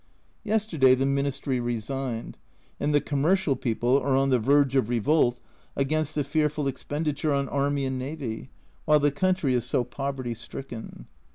Yesterday the Ministry resigned and the com mercial people are on the verge of revolt against the fearful expenditure on army and navy, while the country is so poverty stricken.